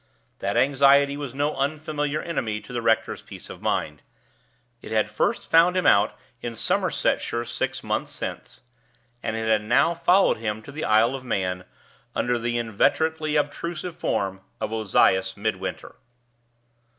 That anxiety was no unfamiliar enemy to the rector's peace of mind. It had first found him out in Somersetshire six months since, and it had now followed him to the Isle of Man under the inveterately obtrusive form of Ozias Midwinter.